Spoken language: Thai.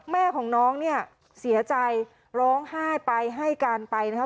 แม่ของน้องเนี่ยเสียใจร้องไห้ไปให้การไปนะครับ